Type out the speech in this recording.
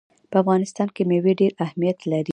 په افغانستان کې مېوې ډېر اهمیت لري.